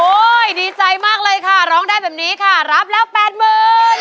โอ้ยดีใจมากเลยค่ะร้องได้แบบนี้ค่ะรับแล้วแปดหมื่น